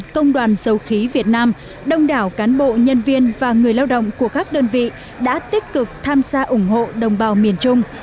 công đoàn dầu khí việt nam đông đảo cán bộ nhân viên và người lao động của các đơn vị đã tích cực tham gia ủng hộ đồng bào miền trung